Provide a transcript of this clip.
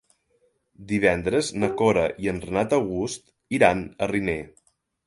Divendres na Cora i en Renat August iran a Riner.